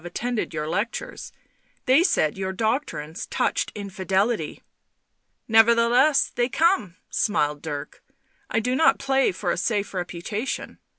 IT OF MICHIGAN 82 BLACK MAGIC attended your lectures — they said your doctrines touched infidelity." " Nevertheless they come," smiled Dirk. u I do not play for a safe reputation